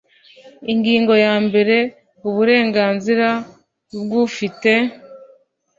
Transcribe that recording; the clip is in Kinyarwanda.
Ingingo ya mbere Uburenganzira bw ufite